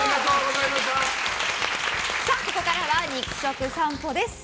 ここからは肉食さんぽです。